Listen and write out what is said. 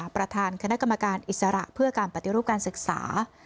ประธานคณะกรรมการอิสระเพื่อการปฏิรูปการศึกษา